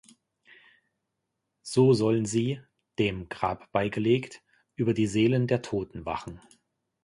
So sollen sie, dem Grab beigelegt, über die Seelen der Toten wachen.